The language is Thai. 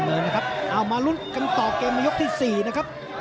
เอามาลุ้นกันต่อเกมในยกที่๔นะครับ